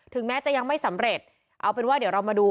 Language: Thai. แม้จะยังไม่สำเร็จเอาเป็นว่าเดี๋ยวเรามาดู